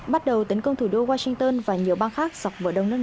bắt đầu tấn công thủ đô washington và nhiều bang khác